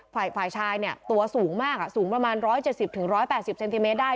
ฝ่ายชายเนี่ยตัวสูงมากสูงประมาณ๑๗๐๑๘๐เซนติเมตรได้